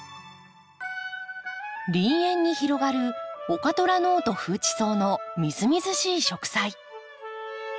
林縁に広がるオカトラノオとフウチソウのみずみずしい植栽。